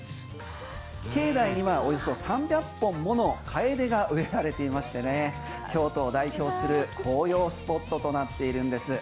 境内にはおよそ３００本ものをカエデが植えられていまして京都を代表する紅葉スポットとなっているんです。